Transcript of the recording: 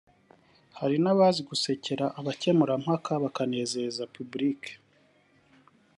hari nabazi gusekera abakemurampaka bakanezeza Public